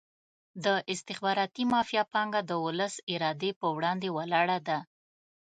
د استخباراتي مافیا پانګه د ولس ارادې په وړاندې ولاړه ده.